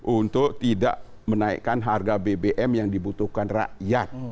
untuk tidak menaikkan harga bbm yang dibutuhkan rakyat